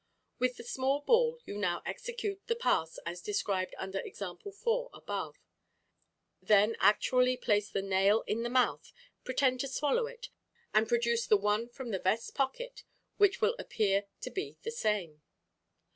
With the small ball you now execute the pass as described under Example 4 above. Then actually place the nail in the mouth, pretend to swallow it, and produce the one from the vest pocket, which will appear to be the same.